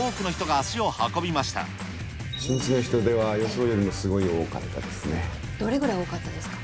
初日の人出は予想よりもすごどれくらい多かったですか？